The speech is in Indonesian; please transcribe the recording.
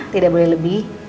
tidak boleh lebih